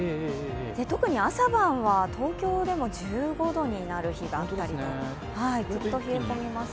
特に朝晩は東京でも１５度になる日があったりと、グッと冷え込みます。